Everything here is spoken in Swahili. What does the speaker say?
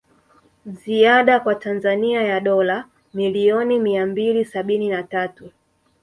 Ziada kwa Tanzania ya dola milioni mia mbili sabini na tatu